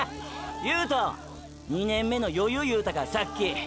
ユート“２年目の余裕”いうたかさっき。